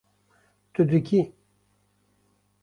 Tu dikî